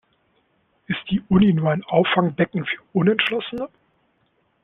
Ist die Uni nur ein Auffangbecken für Unentschlossene?